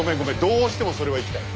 どうしてもそれは行きたい！